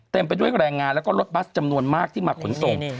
ไปด้วยแรงงานแล้วก็รถบัสจำนวนมากที่มาขนส่ง